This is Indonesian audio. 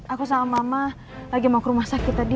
aku sama mama lagi mau ke rumah sakit tadi